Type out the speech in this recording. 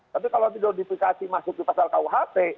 tapi kalau didoptifikasi masuk ke pasal kuhp